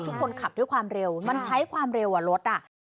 คนขับด้วยความเร็วมันใช้ความเร็วอ่ะรถอ่ะ